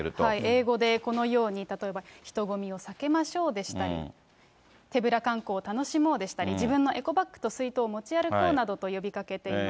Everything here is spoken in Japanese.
英語でこのように例えば、人混みを避けましょうでしたり、手ぶら観光を楽しもうでしたり、自分のエコバッグと水筒を持ち歩こうなどと呼びかけています。